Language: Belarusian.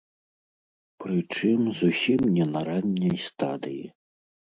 Прычым, зусім не на ранняй стадыі.